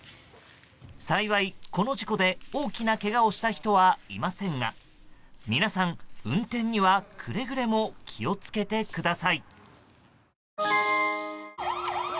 幸い、この事故で大きなけがをした人はいませんが皆さん、運転にはくれぐれも気を付けてください。